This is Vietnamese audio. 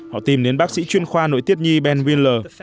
họ tìm đến bác sĩ chuyên khoa nội tiết nhi ben winler